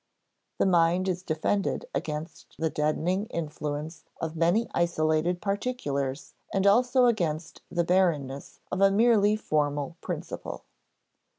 The mind is defended against the deadening influence of many isolated particulars and also against the barrenness of a merely formal principle.